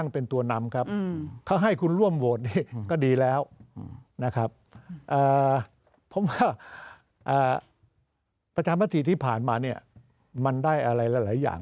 เพราะว่าอ่าประชาบัติที่ผ่านมาเนี่ยมันได้อะไรหลายหลายอย่าง